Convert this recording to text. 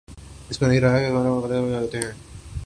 تو اس نئی راہ کے ثمرات اس کا مقدر بن جاتے ہیں ۔